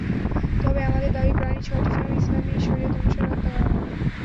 তবে আমাদের দাবি, প্রাণী ছয়টি যেন ইসলামি শরিয়ত অনুসারে হত্যা করা হয়।